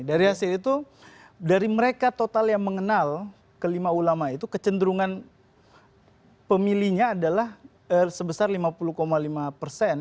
dari hasil itu dari mereka total yang mengenal kelima ulama itu kecenderungan pemilihnya adalah sebesar lima puluh lima persen